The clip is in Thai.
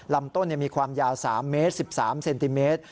ลำต้นมีความยาว๓เมตร๑๓เซนติเมตร